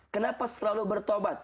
kenapa selalu bertaubat